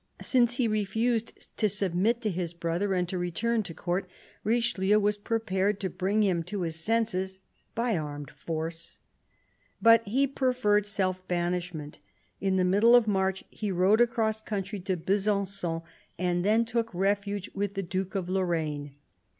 Since he refused to submit to his brother and to return to Court, Richelieu was prepared to bring him to his senses by armed force. But he preferred self banishment. In the middle of March he rode across country to Besangon, and then took refuge with the Duke of Lorraine.